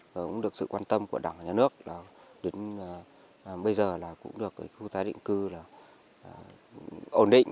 và cũng được sự quan tâm của đảng và nhà nước là đến bây giờ là cũng được khu tái định cư là ổn định